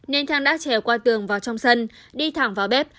nên thang đã trèo qua tường vào trong sân đi thẳng vào bếp